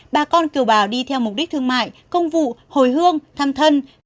bà con kiều bào đi theo mục đích thương mại công vụ hồi hương thăm thân